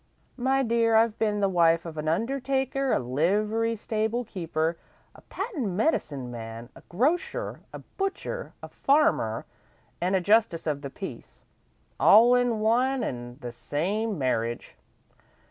"My dear, I've been the wife of a undertaker, a livery stable keeper, a patent medicine man, a grocer, a butcher, a farmer, an' a justice of the peace, all in one an' the same marriage.